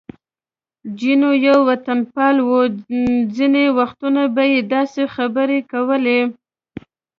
جینو یو وطنپال و، ځینې وختونه به یې داسې خبرې کولې.